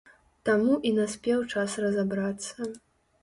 Таму і наспеў час разабрацца.